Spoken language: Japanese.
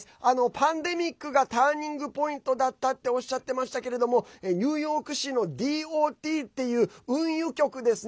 パンデミックがターニングポイントだったっておっしゃっていましたけどニューヨーク市のＤＯＴっていう運輸局ですね。